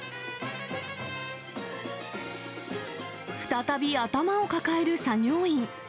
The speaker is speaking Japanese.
再び頭を抱える作業員。